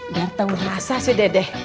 udah tau rasa sih dedeh